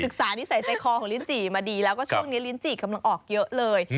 ศึกษานิสัยใจคอของลิ้นจี่มาดีแล้วก็ช่วงนี้ลิ้นจี่กำลังออกเยอะเลย